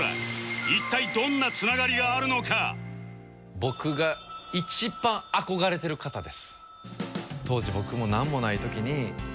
僕が一番憧れてる方です。